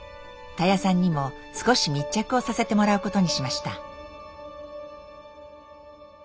たやさんにも少し密着をさせてもらうことにしました。